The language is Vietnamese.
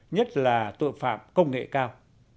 nhất là tội phạm công nghệ cao